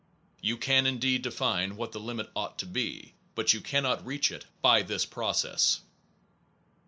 You can indeed define what the limit ought to be, but you cannot reach it by this process.